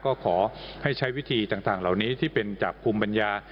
ก็ขอให้ใช้วิธีต่างเหล่านี้ที่เป็นจากภูมิปัญญา